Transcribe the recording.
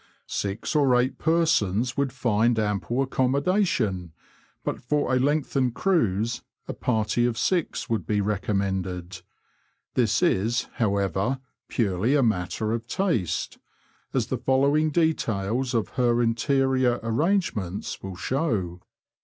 Six or eight persons would find ample accommodation, but for a lengthened cruise a party of six 'would be recommended ; this is, however, purely a matter of taste, as the following details of her interior arrangements will show.